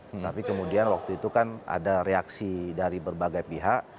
tetapi kemudian waktu itu kan ada reaksi dari berbagai pihak